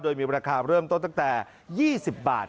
โดยมีราคาเริ่มต้นตั้งแต่๒๐บาท